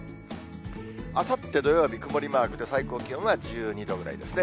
あさって土曜日曇りマークで、最高気温は１２度ぐらいですね。